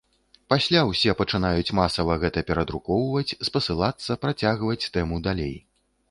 Пасля ўсе пачынаюць масава гэта перадрукоўваць, спасылацца, працягваць тэму далей.